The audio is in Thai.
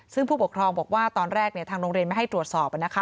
ซึ่งผู้ปกครองบอกว่าตอนแรกทางโรงเรียนไม่ให้ตรวจสอบนะคะ